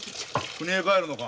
くにへ帰るのか？